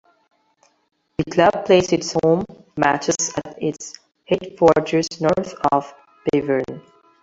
The club plays its home matches at its headquarters north of Bevern.